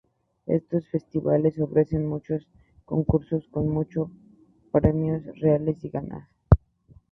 Estos festivales ofrecen muchos concursos, con muchos premios reales a ganar.